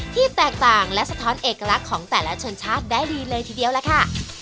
ที่แตกต่างและสะท้อนเอกลักษณ์ของแต่ละชนชาติได้ดีเลยทีเดียวล่ะค่ะ